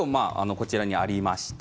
こちらにあります。